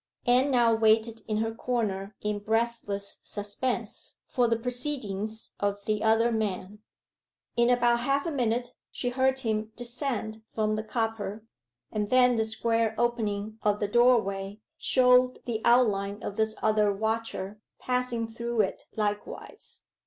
Anne now waited in her corner in breathless suspense for the proceedings of the other man. In about half a minute she heard him descend from the copper, and then the square opening of the doorway showed the outline of this other watcher passing through it likewise.